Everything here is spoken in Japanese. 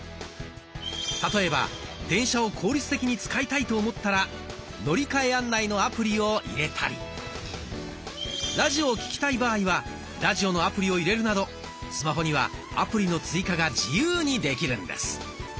例えば電車を効率的に使いたいと思ったら乗換案内のアプリを入れたりラジオを聞きたい場合はラジオのアプリを入れるなどスマホにはアプリの追加が自由にできるんです。